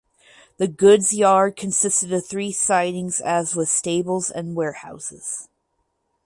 The goods yard consisted of three sidings as with stables and warehouses.